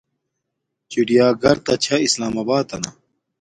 چیڑیا گھر تا چھا سلام آباتنہ